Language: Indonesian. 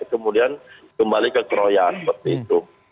kemudian kembali ke keroya seperti itu